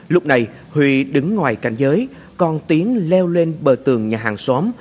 lúc này huy đứng ngoài cảnh giới còn tiến leo lên bờ tường nhà hàng xóm